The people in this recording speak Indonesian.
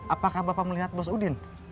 apakah bapak melihat bos udin